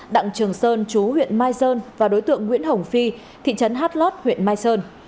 đặng trường sơn chú huyện mai sơn và đối tượng nguyễn hồng phi thị trấn hát lót huyện mai sơn